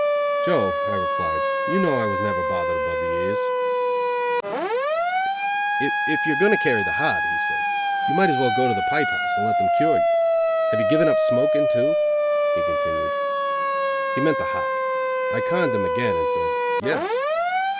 "Joe," I replied, "you know I was never bothered above the ears." "If you are going to carry the hod," he said, "you might as well go to the pipe house, and let them cure you. Have you given up smoking, too?" he continued. He meant the hop. I conned him again and said: "Yes."